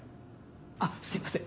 あっすいません。